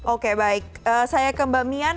oke baik saya ke mbak mian